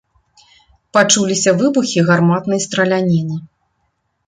Пачуліся выбухі гарматнай страляніны.